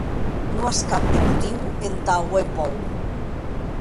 Non as cap de motiu entà auer pòur.